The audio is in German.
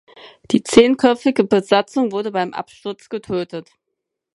Die zehnköpfige Besatzung wurde beim Absturz getötet.